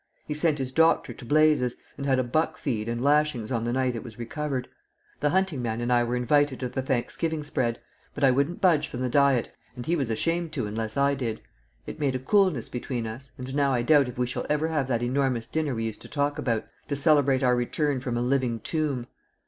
He sent his doctor to blazes, and had a buck feed and lashings on the night it was recovered. The hunting man and I were invited to the thanksgiving spread; but I wouldn't budge from the diet, and he was ashamed to unless I did. It made a coolness between us, and now I doubt if we shall ever have that enormous dinner we used to talk about to celebrate our return from a living tomb."